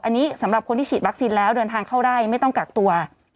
อันนี้สำหรับคนที่ฉีดวัคซีนแล้วเดินทางเข้าได้ไม่ต้องกักตัว